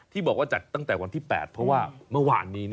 บอกว่าจัดตั้งแต่วันที่๘เพราะว่าเมื่อวานนี้